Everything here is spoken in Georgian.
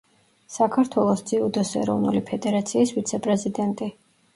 საქართველოს ძიუდოს ეროვნული ფედერაციის ვიცე-პრეზიდენტი.